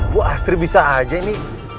bu astri bisa aja ini